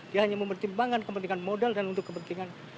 dia hanya mempertimbangkan kepentingan modal dan untuk kepentingan